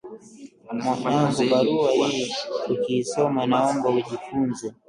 Mwanangu barua hii ukiisoma naomba ujifunze